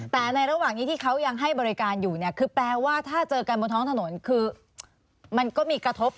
แต่ในระหว่างนี้ที่เขายังให้บริการอยู่เนี่ยคือแปลว่าถ้าเจอกันบนท้องถนนคือมันก็มีกระทบ